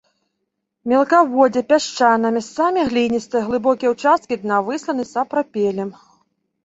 Мелкаводдзе пясчанае, месцамі гліністае, глыбокія ўчасткі дна высланы сапрапелем.